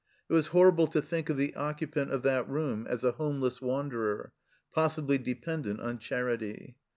It was horrible to think of the occupant of that room as a homeless wanderer, possibly dependent on charity